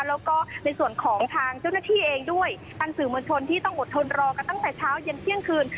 แล้วก็ในส่วนของทางเจ้าหน้าที่เองด้วยทางสื่อมวลชนที่ต้องอดทนรอกันตั้งแต่เช้าเย็นเที่ยงคืน